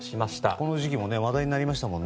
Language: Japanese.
この時期話題になりましたよね。